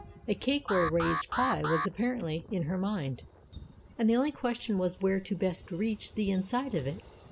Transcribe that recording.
A cake or a raised pie was apparently in her mind, and the only question was where to best reach the inside of it.